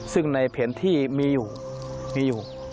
ซึ่งในแผนที่มีอยู่มีอยู่